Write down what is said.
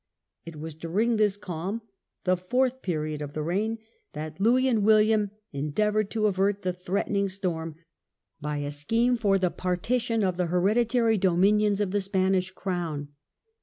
It was during this calm — the fourth period of the reign — that Louis and William endeavoured to avert the threatening storm, by a scheme for the Partition of the hereditary dominions of the Spanish crown.